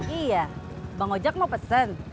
iya bang ojak mau pesan